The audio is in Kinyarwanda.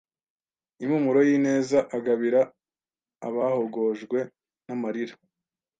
impumuro y’ ineza agabira abahogojwe n’ amarira